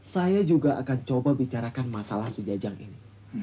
saya juga akan coba bicarakan masalah si jajang ini